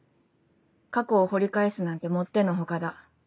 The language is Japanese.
過去を掘り返すなんてもっての外だ。